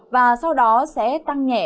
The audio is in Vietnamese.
và sau đó sẽ tăng nhẹ